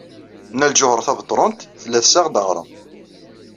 Nna Lǧuheṛ Tabetṛunt tella tessaɣ-d aɣrum.